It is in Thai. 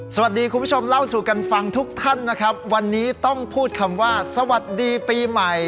คุณผู้ชมเล่าสู่กันฟังทุกท่านนะครับวันนี้ต้องพูดคำว่าสวัสดีปีใหม่